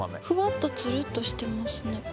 ふわっとつるっとしてますね。